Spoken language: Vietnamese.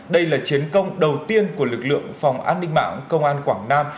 đây là chiến công đầu tiên của lực lượng phòng an ninh mạng công an quảng nam